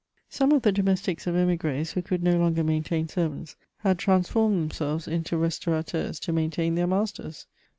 Some of the domestics of emigres who could no longer maintain servants, had transformed themselves into restauru" teurs to iniaintain their masters.